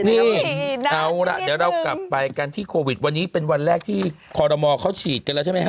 นี่เอาล่ะเดี๋ยวเรากลับไปกันที่โควิดวันนี้เป็นวันแรกที่คอรมอลเขาฉีดกันแล้วใช่ไหมฮ